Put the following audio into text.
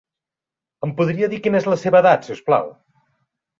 Em podria dir quina és la seva edat, si us plau?